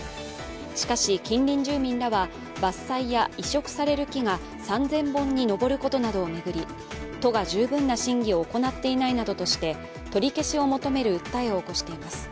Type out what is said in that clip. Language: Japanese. しかし、近隣住民らは伐採や移植される木が３０００本に上ることなどを巡り、都が十分な審議を行っていないなどとして取り消しを求める訴えを起こしています。